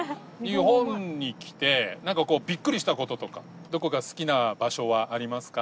日本に来てなんかこうビックリした事とかどこか好きな場所はありますか？